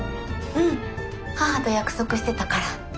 うん母と約束してたから。